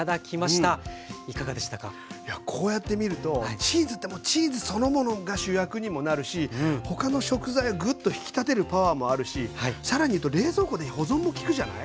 いやこうやって見るとチーズってチーズそのものが主役にもなるし他の食材をグッと引き立てるパワーもあるし更にいうと冷蔵庫で保存も利くじゃない。